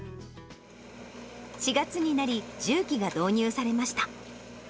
４月になり、重機が導入されました。